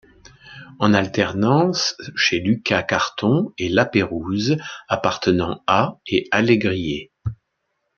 En alternance chez Lucas Carton et Laperouse, appartenant à et Allegrier.